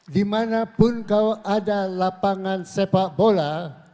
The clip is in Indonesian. dimanapun kau ada lapangan sepak bola